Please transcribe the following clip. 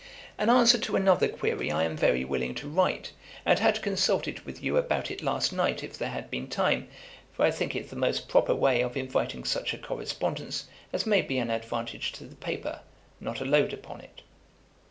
'An answer to another query I am very willing to write, and had consulted with you about it last night if there had been time; for I think it the most proper way of inviting such a correspondence as may be an advantage to the paper, not a load upon it.